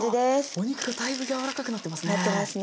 お肉がだいぶ柔らかくなってますね。